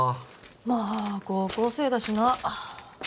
まあ高校生だしな